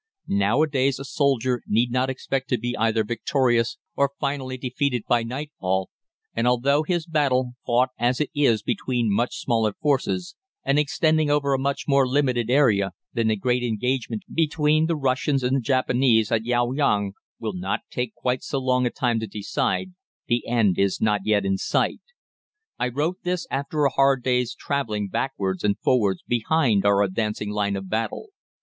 Nowadays a soldier need not expect to be either victorious or finally defeated by nightfall, and although this battle, fought as it is between much smaller forces, and extending over a much more limited area, than the great engagement between the Russians and Japanese at Liaoyang, will not take quite so long a time to decide, the end is not yet in sight. I wrote this after a hard day's travelling backwards and forwards behind our advancing line of battle.